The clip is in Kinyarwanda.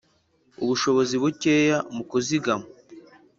ubushobozi bukeya mu kuzigama